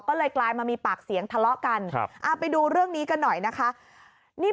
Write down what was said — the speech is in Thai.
ก็เลยกลายมามีปากเสียงทะเลาะกัน